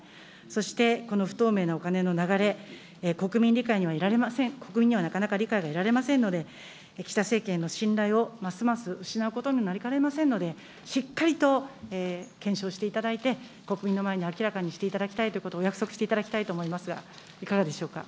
そして、この不透明なお金の流れ、国民にはなかなか理解が得られませんので、岸田政権への信頼をますます失うことになりかねませんので、しっかりと検証していただいて、国民の前に明らかにしていただきたいということをお約束していただきたいと思いますが、いかがでしょうか。